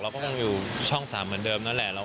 ก็ต้องอยู่ช่อง๓เหมือนเดิมนั่นแหละ